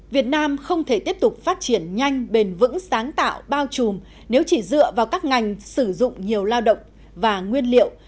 việt nam không thể tiếp tục phát triển nhanh bền vững sáng tạo bao trùm nếu chỉ dựa vào các ngành sử dụng nhiều lao động và nguyên liệu